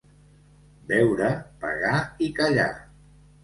Beure, pagar i callar.